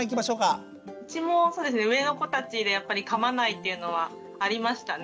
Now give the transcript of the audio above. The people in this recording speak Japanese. うちもそうですね上の子たちでかまないっていうのはありましたね。